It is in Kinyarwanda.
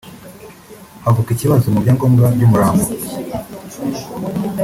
havuka ikibazo mu byangombwa by’umurambo